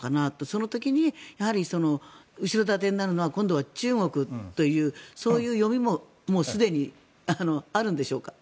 その時にやはり後ろ盾になるのは今度は中国というそういう読みもすでにあるんでしょうか？